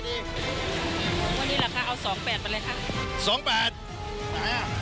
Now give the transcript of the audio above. อันนี้แหละค่ะเอา๒๘มาเลยค่ะ